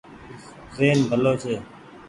زهين ڀلو ڇي۔